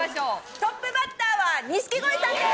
トップバッターは錦鯉さんです！